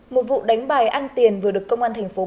một vụ đánh bài ăn tiền vừa được công an thành phố bạc lý